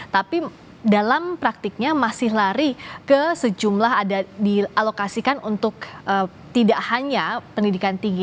tapi dalam praktiknya masih lari ke sejumlah ada dialokasikan untuk tidak hanya pendidikan tinggi